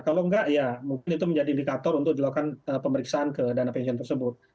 kalau enggak ya mungkin itu menjadi indikator untuk dilakukan pemeriksaan ke dana pensiun tersebut